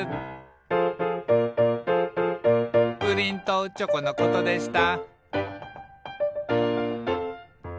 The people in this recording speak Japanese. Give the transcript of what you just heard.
「プリンとチョコのことでした」